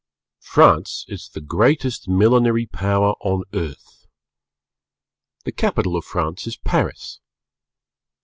] France is the greatest Millinery Power on earth. The capital of France is Paris.